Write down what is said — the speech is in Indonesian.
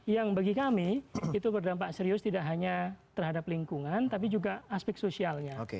yang bagi kami itu berdampak serius tidak hanya terhadap lingkungan tapi juga aspek sosialnya